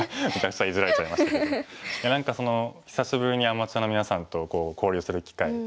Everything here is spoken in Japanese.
いや何か久しぶりにアマチュアのみなさんと交流する機会